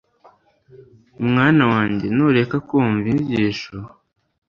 Mwana wanjye nureka kumva inyigisho